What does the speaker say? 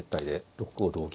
６五同銀。